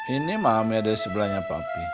ini mami ada sebelahnya papi